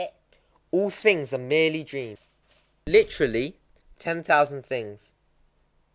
_ All things are merely dreams. Literally, "ten thousand things."